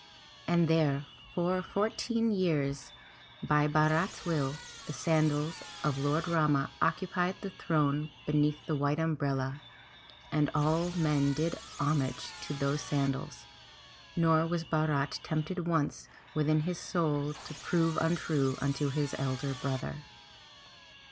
And there for fourteen years by Bharat's will, the sandals of Lord Rama occupied the throne beneath the white umbrella, and all men did homage to those sandals, nor was Bharat tempted once within his soul to prove untrue unto his elder brother.